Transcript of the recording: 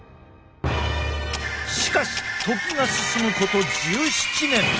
しかし時が進むこと１７年！